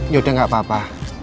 ya udah gak apa apa